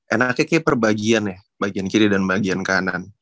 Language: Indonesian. enaknya kayaknya perbagian ya bagian kiri dan bagian kanan